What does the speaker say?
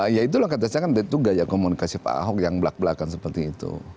ya itulah kata saya kan itu gaya komunikasi pak ahok yang belak belakan seperti itu